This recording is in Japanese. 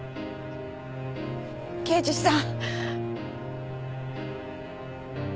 刑事さん！